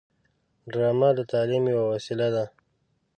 ډرامه د تعلیم یوه وسیله ده